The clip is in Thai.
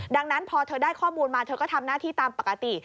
ดังนั้นพอเธอได้ข้อมูลมาเธอก็ทำหน้าที่ตามปกติ